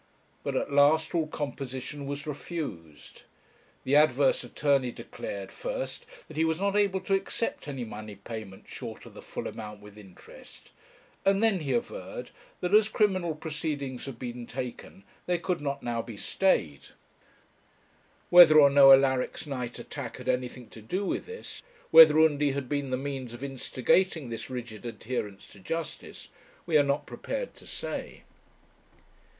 But at last all composition was refused. The adverse attorney declared, first, that he was not able to accept any money payment short of the full amount with interest, and then he averred, that as criminal proceedings had been taken they could not now be stayed. Whether or no Alaric's night attack had anything to do with this, whether Undy had been the means of instigating this rigid adherence to justice, we are not prepared to say.